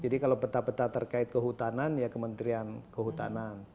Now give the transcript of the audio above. jadi kalau peta peta terkait kehutanan ya kementerian kehutanan